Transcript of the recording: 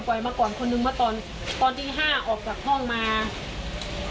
ปล่อยมาก่อนคนนึงว่าตอนที่๕ออกจากห้องมา